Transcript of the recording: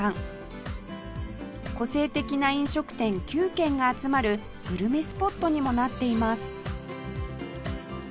個性的な飲食店９軒が集まるグルメスポットにもなっています